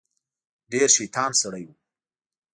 ډیر شیطان سړی و.